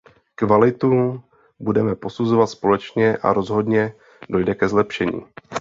Kvalitu budeme posuzovat společně a rozhodně dojde ke zlepšení.